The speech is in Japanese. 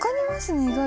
意外と。